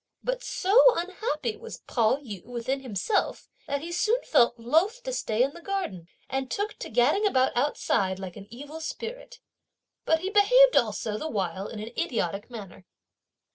But so unhappy was Pao yü within himself that he soon felt loth to stay in the garden, and took to gadding about outside like an evil spirit; but he behaved also the while in an idiotic manner.